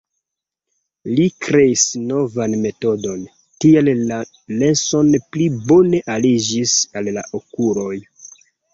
Li kreis novan metodon, tial la lensoj pli bone aliĝis al la okuloj.